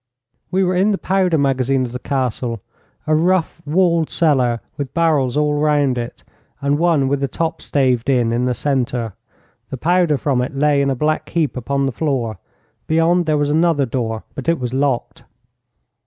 We were in the powder magazine of the Castle a rough, walled cellar, with barrels all round it, and one with the top staved in in the centre. The powder from it lay in a black heap upon the floor. Beyond there was another door, but it was locked.